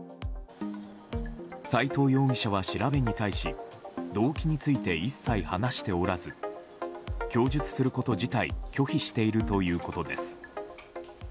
斎藤容疑者は調べに対し動機について一切話しておらず供述すること自体拒否しているということです。